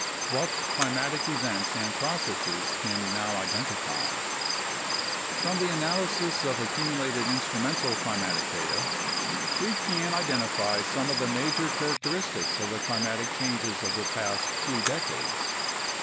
What Climatic Events and Processes Can We Now Identify? From the analysis of accumulated instrumental climatic data, we can identify some of the major characteristics of the climatic changes of the past few decades.